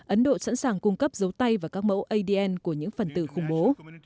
ấn độ sẵn sàng cung cấp dấu tay và các mẫu adn của những phần tử khủng bố